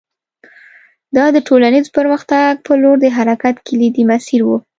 دا د ټولنیز پرمختګ په لور د حرکت کلیدي مسیر و